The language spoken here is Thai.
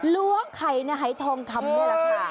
ล้วงไข่ในหายทองคำนี่แหละค่ะ